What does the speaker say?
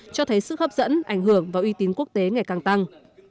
cho thấy sức hấp dẫn ảnh hưởng và uy tín quốc tế ngày càng tăng